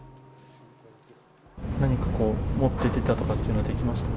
何か持って出たとかっていうのはできましたか？